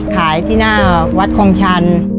ขายที่หน้าวัดคลองชัน